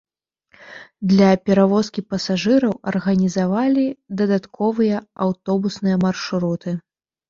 Для перавозкі пасажыраў арганізавалі дадатковыя аўтобусныя маршруты.